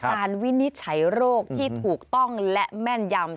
วินิจฉัยโรคที่ถูกต้องและแม่นยำ